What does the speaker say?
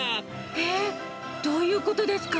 えー？どういうことですか？